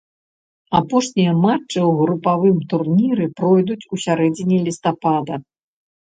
Апошнія матчы ў групавым турніры пройдуць у сярэдзіне лістапада.